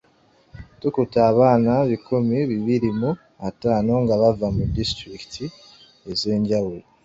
Tukutte abaana ebikumi bibiri mu ataano nga bava mu disitulikiti ez’enjawulo.